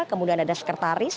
kemudian ada sekretaris